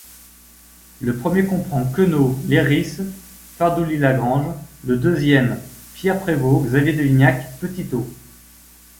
Le premier comprend Queneau, Leiris, Fardoulis-Lagrange, le deuxième Pierre Prévost, Xavier de Lignac, Petitot.